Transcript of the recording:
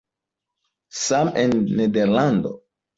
Same en Nederlando.